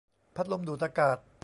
พัดลมดูดอากาศ